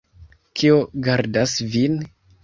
Kio gardas vin?